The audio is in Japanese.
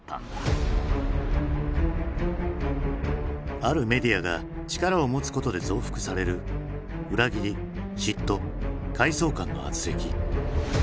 あるメディアが力を持つことで増幅される裏切り嫉妬階層間のあつれき。